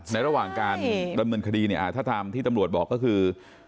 ในระหว่างการดำเนินคดีถ้าทำที่ตำรวจบอกก็คือ